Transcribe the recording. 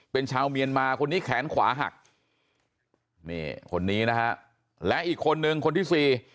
เป็นชาวเมียนมาคนนี้แขนขวาหักนี่คนนี้นะฮะและอีกคนนึงคนที่สี่